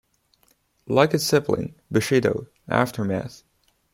Like its sibling, "Bushido", "Aftermath!